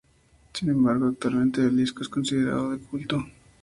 Sin embargo, actualmente el disco es considerado de culto.